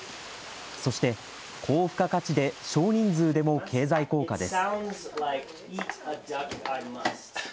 そして、高付加価値で少人数でも経済効果です。